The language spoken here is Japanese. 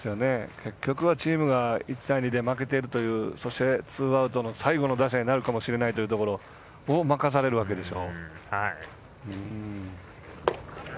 結局はチームが１対２で負けてるというそして、ツーアウトの最後の打者になるかもしれないというところを任されるわけでしょ。